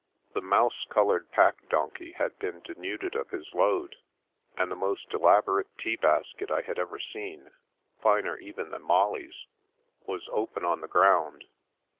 The mouse coloured pack donkey had been de nuded of his load, and the most elaborate tea basket I had ever seen (finer even than Molly's) was open on the ground.